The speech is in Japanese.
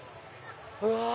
うわ！